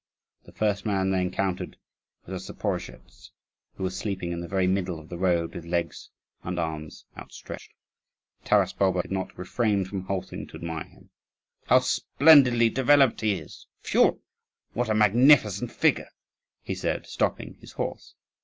But the first man they encountered was a Zaporozhetz (1) who was sleeping in the very middle of the road with legs and arms outstretched. Taras Bulba could not refrain from halting to admire him. "How splendidly developed he is; phew, what a magnificent figure!" he said, stopping his horse.